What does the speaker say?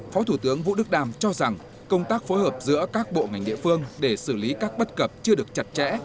phó thủ tướng vũ đức đam cho rằng công tác phối hợp giữa các bộ ngành địa phương để xử lý các bất cập chưa được chặt chẽ